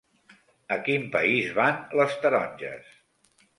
A quin país van les taronges?